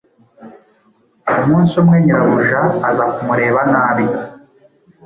Umunsi umwe, nyirabuja aza kumureba nabi